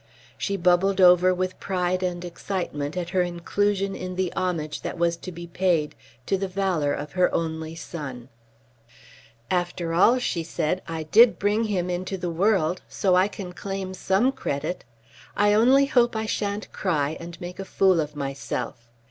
She bubbled over with pride and excitement at her inclusion in the homage that was to be paid to the valour of her only son. "After all," she said, "I did bring him into the world. So I can claim some credit. I only hope I shan't cry and make a fool of myself.